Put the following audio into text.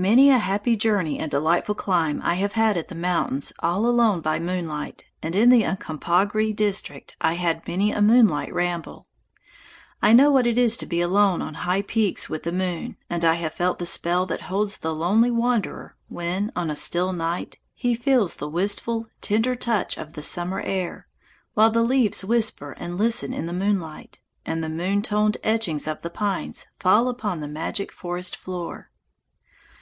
Many a happy journey and delightful climb I have had in the mountains all alone by moonlight, and in the Uncompahgre district I had many a moonlight ramble. I know what it is to be alone on high peaks with the moon, and I have felt the spell that holds the lonely wanderer when, on a still night, he feels the wistful, tender touch of the summer air, while the leaves whisper and listen in the moonlight, and the moon toned etchings of the pines fall upon the magic forest floor.